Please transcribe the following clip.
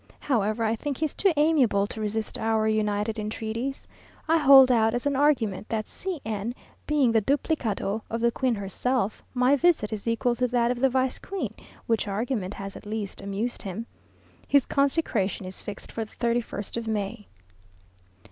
However, I think he is too amiable to resist our united entreaties. I hold out as an argument, that C n, being the duplicado of the queen herself, my visit is equal to that of the vice queen, which argument has at least amused him. His consecration is fixed for the 31st of May.